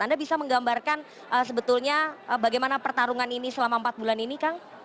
anda bisa menggambarkan sebetulnya bagaimana pertarungan ini selama empat bulan ini kang